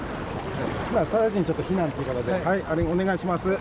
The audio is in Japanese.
直ちにちょっと避難ということで、お願いします。